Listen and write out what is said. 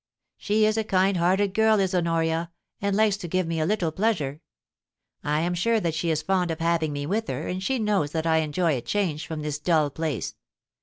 She is a kind hearted girl is Honoria, and likes to give me a little pleasure. I am sure that she is fond of having me with her, and she knows that I enjoy a change from this dull place.